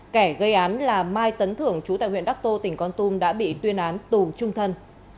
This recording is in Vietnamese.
kẻ gây án là mai tấn thưởng chú tại huyện đắc tô tỉnh con tum đã bị tuyên án tù trung thân